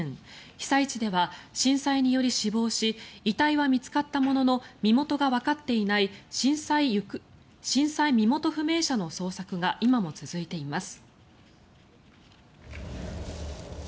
被災地では震災により死亡し遺体は見つかったものの身元がわかっていない震災身元不明者の捜索が今も続いています。